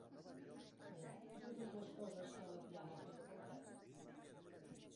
Però, i totes les coses que la tiama feia pel Ferri?